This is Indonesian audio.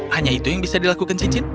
hanya itu yang bisa dilakukan cicin